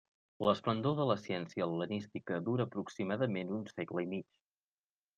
L'esplendor de la ciència hel·lenística dura aproximadament un segle i mig.